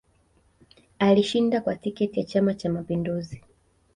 Alishinda kwa tiketi ya chama cha mapinduzi